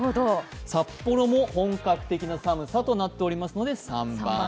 札幌も本格的な寒さとなっておりますので３番。